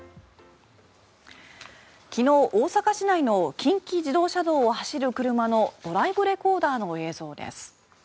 昨日、大阪市内の近畿自動車道を走る車のドライブレコーダーの映像です。